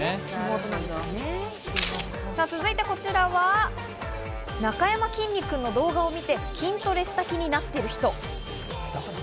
続いてこちらは、なかやまきんに君の動画を見て筋トレした気になってる人。